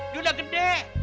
dia udah gede